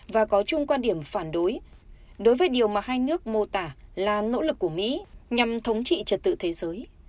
và có chung quan điểm phản đối đối với điều mà hai nước mô tả là nỗ lực của mỹ nhằm thống trị trật tự thế giới